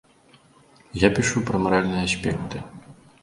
Я пішу пра маральныя аспекты.